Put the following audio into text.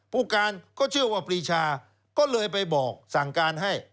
ผู้การก็เชื่อว่าปรีชาก็เลยไปบอกสั่งการให้